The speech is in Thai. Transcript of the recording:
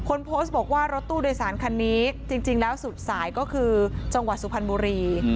คนโพสต์บอกว่ารถตู้โดยสารคันนี้จริงแล้วสุดสายก็คือจังหวัดสุพรรณบุรี